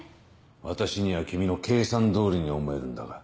私には君の計算通りに思えるんだが。